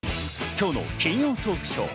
今日の金曜トークショー。